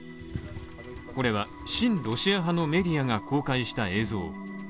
これは親ロシア派のメディアが公開した映像。